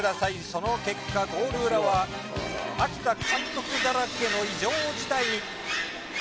その結果ゴール裏は秋田監督だらけの異常事態に。